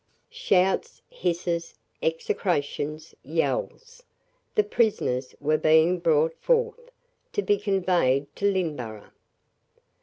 Shouts, hisses, execrations, yells! The prisoners were being brought forth, to be conveyed to Lynneborough.